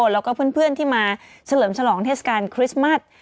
แล้วก็เพื่อนที่มาเฉลิมฉลองเทศกาลคริสต์มัส